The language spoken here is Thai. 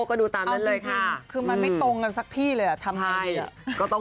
โอ้ดูตามนั้นเลยค่ะ